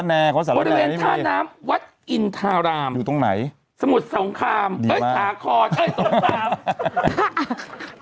นึกออกไหมโบราเมนทาน้ำวัดอินทารามสมุทรสงครามขาคอใช้สงคราม